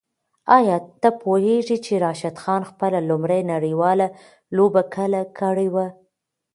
آیا ته پوهېږې چې راشد خان خپله لومړۍ نړیواله لوبه کله کړې وه؟